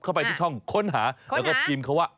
เข้าไปที่ช่องค้นหาแล้วก็พิมพ์เขาว่า